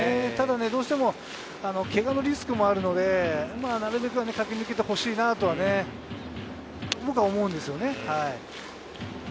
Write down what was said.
どうしてもけがのリスクもあるので、なるべく駆け抜けてほしいなとは僕は思うんですよね。